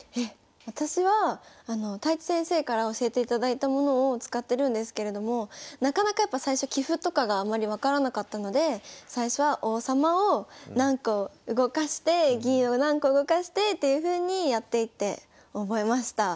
私は太地先生から教えていただいたものを使ってるんですけれどもなかなかやっぱ最初棋譜とかがあまり分からなかったので最初は王様を何個動かして銀を何個動かしてっていうふうにやっていって覚えました。